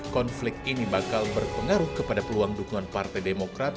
konflik ini bakal berpengaruh kepada peluang dukungan partai demokrat